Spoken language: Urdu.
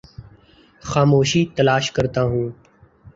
خاموشی تلاش کرتا ہوں